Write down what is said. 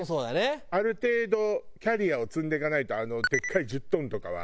ある程度キャリアを積んでいかないとあのでかい１０トンとかは。